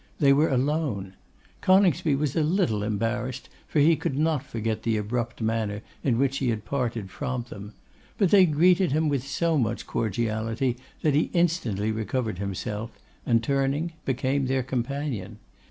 They were alone. Coningsby was a little embarrassed, for he could not forget the abrupt manner in which he had parted from them; but they greeted him with so much cordiality that he instantly recovered himself, and, turning, became their companion.